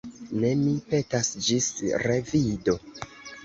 Ne, mi petas: ĝis revido!